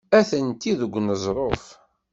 Atenti deg uneẓruf.